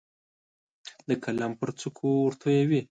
د قلم پر څوکو ورتویوي